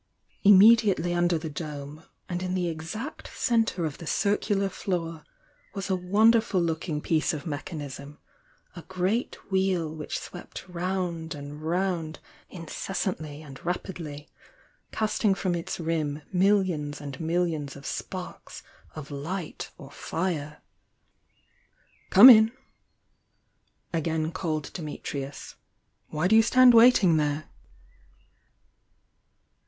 Immediately under the dome, and in the exact centre of the circular floor, was a wonderful looking piece of rjiechanism, a great wheel which swept round and round incessantly and rapidly, casting from its rim millions and millions of sparks of li^t or fire. "Come in!" again called Dimitrius. "Why do you stand waiting there?"